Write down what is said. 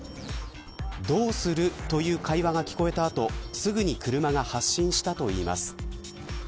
どうするという会話が聞こえた後すぐに車が発進したといいます。